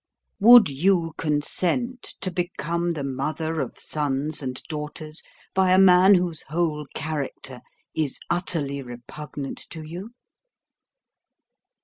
Would you consent to become the mother of sons and daughters by a man whose whole character is utterly repugnant to you?